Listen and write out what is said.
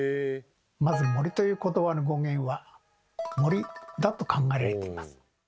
まず「森」ということばの語源は「盛り」だと考えられています。